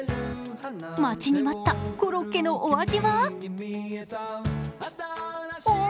待ちに待ったコロッケのお味は？